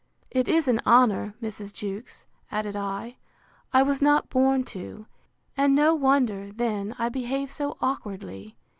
It is an honour, Mrs. Jewkes, added I, I was not born to; and no wonder, then, I behave so awkwardly.